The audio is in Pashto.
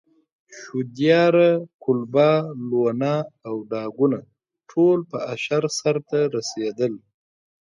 شودیاره، قلبه، لوونه او ډاګونه ټول په اشر سرته رسېدل.